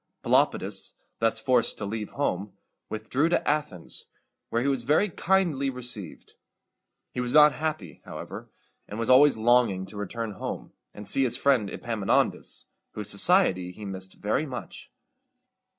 Pelopidas, thus forced to leave home, withdrew to Athens, where he was very kindly received. He was not happy, however, and was always longing to return home, and see his friend Epaminondas, whose society he missed very much.